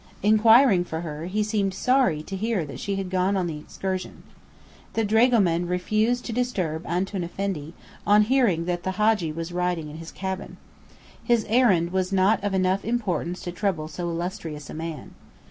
Inquiring for her, he seemed sorry to hear that she had gone on the excursion. The dragoman refused to disturb Antoun Effendi, on hearing that the Hadji was writing in his cabin. His errand was not of enough importance to trouble so illustrious a man.